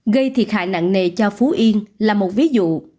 gây thiệt hại nặng nề cho phú yên là một ví dụ